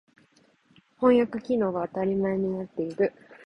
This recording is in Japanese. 翻訳機能が当たり前になっている。